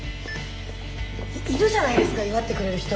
いるじゃないですか祝ってくれる人。